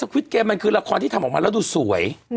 คลิปเกมมันคือละครที่ทำออกมาแล้วดูสวย